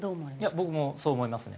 僕もそう思いますね。